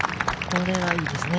これはいいですね。